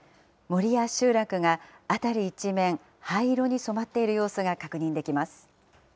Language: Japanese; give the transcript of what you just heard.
森や集落が、辺り一面、灰色に染まっている様子が確認できます。